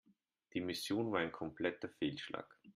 Die Mission war ein kompletter Fehlschlag.